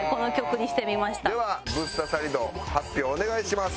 ではブッ刺さり度発表お願いします。